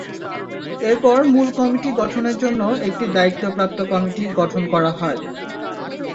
এরপর মূল কমিটি গঠনের জন্য একটি দায়িত্বপ্রাপ্ত কমিটি গঠন করা হয়।